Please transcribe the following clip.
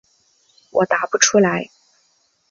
我答不出来。